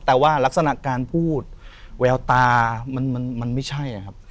แต่ว่ารักษณะการพูดแววตามันไม่ใช่ครับ